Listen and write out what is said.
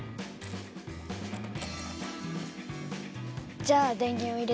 じゃあ電源を入れて。